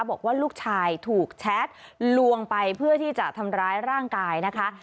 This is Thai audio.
บอกว่าลูกชายถูกแชทลวงไปเพื่อที่จะทำร้ายร่างกายนะคะ